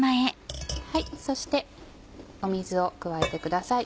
そして水を加えてください。